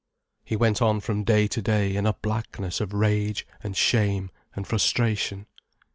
He went on from day to day in a blackness of rage and shame and frustration.